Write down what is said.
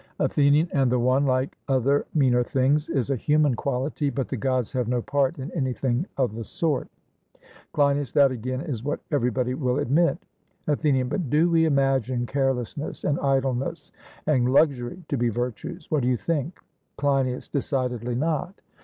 ATHENIAN: And the one, like other meaner things, is a human quality, but the Gods have no part in anything of the sort? CLEINIAS: That again is what everybody will admit. ATHENIAN: But do we imagine carelessness and idleness and luxury to be virtues? What do you think? CLEINIAS: Decidedly not.